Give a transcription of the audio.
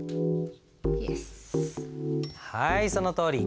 はいそのとおり。